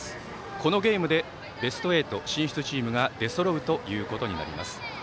このゲームでベスト８進出チームが出そろうということになります。